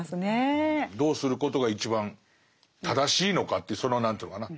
どうすることが一番正しいのかっていうその何というのかな